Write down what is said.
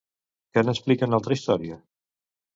Què n'explica una altra història?